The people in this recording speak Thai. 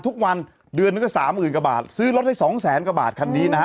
ทุกวันเดือนนึงก็สามหมื่นกว่าบาทซื้อรถให้สองแสนกว่าบาทคันนี้นะฮะ